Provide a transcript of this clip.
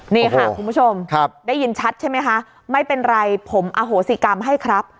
นี่ค่ะคุณผู้ชมได้ยินชัดใช่ไหมคะไม่เป็นไรผมอโหสิกรรมให้ครับ